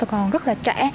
còn rất là trẻ